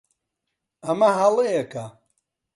ئەمە هەڵەیەکە.